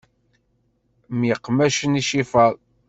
Myeqmacen icifaḍ.